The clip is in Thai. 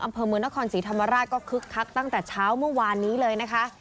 อำเภอเมืองนครศรีธรรมราชก็คึกคักตั้งแต่เช้าเมื่อวานนี้เลยนะคะ